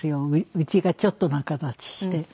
うちがちょっと仲立ちして。